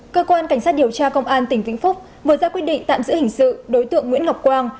cơ quan cảnh sát điều tra công an tỉnh vĩnh phúc vừa ra quyết định tạm giữ hình sự đối tượng nguyễn ngọc quang